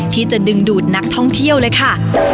ที่จะดึงดูดนักท่องเที่ยวเลยค่ะ